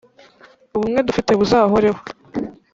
ubumwe dufite buzahoreho